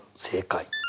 正解。